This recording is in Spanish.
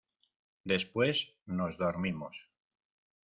después nos dormimos.